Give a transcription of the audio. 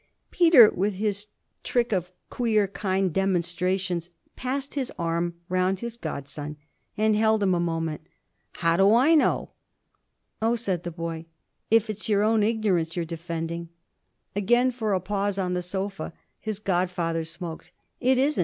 Peter, with his trick of queer kind demonstrations, passed his arm round his godson and held him a moment. 'How do I know?' 'Oh,' said the boy, 'if it's your own ignorance you're defending !' Again, for a pause, on the sofa, his godfather smoked. 'It isn't.